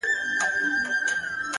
مسافر ليونى؛